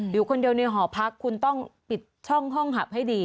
อยู่คนเดียวในหอพักคุณต้องปิดช่องห้องหับให้ดี